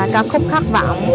các khúc khát vọng